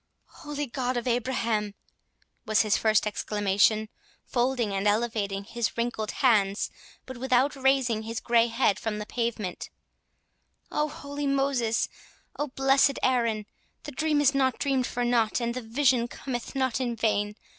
"Holy God of Abraham!" was his first exclamation, folding and elevating his wrinkled hands, but without raising his grey head from the pavement; "Oh, holy Moses! O, blessed Aaron! the dream is not dreamed for nought, and the vision cometh not in vain!